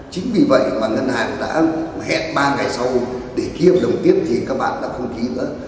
chính vì vậy mà ngân hàng đã hẹn ba ngày sau để ký hợp đồng tiết thì các bạn đã không ký nữa